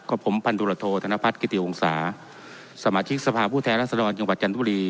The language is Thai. ก็ผมพันธุระโทษธนพัฒน์กิติวงศาสมาชิกสภาพผู้แท้ลักษณะวัดจันทุรี